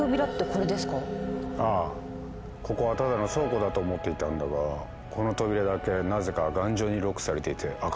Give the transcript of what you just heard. ここはただの倉庫だと思っていたんだがこの扉だけなぜか頑丈にロックされていて開かないんだ。